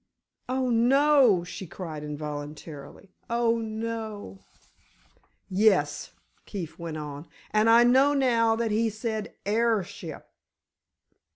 "Oh, no!" she cried, involuntarily. "Oh, no!" "Yes," Keefe went on, "and I know now he said heirship.